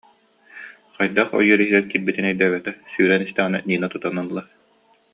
Хайдах ойуур иһигэр киирбитин өйдөөбөтө, сүүрэн истэҕинэ Нина тутан ылла